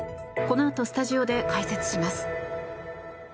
このあとスタジオで解説します。